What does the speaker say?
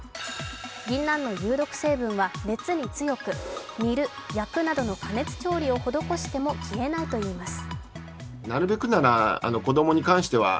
ぎんなんの有毒成分は熱に強く、煮る・焼くなどの加熱調理を施しても消えないといいます。